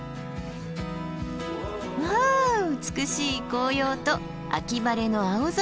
わあ美しい紅葉と秋晴れの青空。